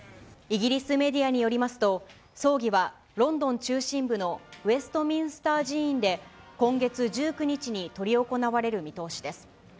イギリスメディアによりますと、葬儀はロンドン中心部のウェストミンスター寺院で、今月１９日に執り行われる見通しです。